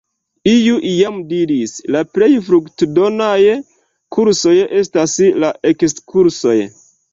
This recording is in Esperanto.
Iu iam diris: ”La plej fruktodonaj kursoj estas la ekskursoj”.